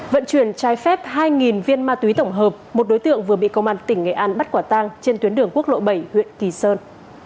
vận chuyển trái phép hai viên ma túy tổng hợp một đối tượng vừa bị công an tỉnh nghệ an bắt quả tang trên tuyến đường quốc lộ bảy huyện kỳ sơn